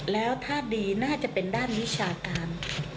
แล้วถ้าดีน่าจะเป็นด้านวิชาการ